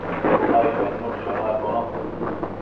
cunabi bednush chonuadbono